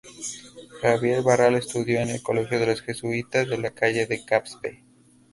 Xavier Barral estudió en el colegio de los Jesuítas de la calle de Caspe.